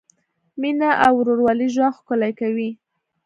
مینه او ورورولي ژوند ښکلی کوي.